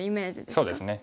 そうですね。